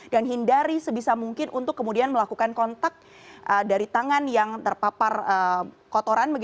dan hindari sebisa mungkin untuk kemudian melakukan kontak dari tangan yang terpapar kotoran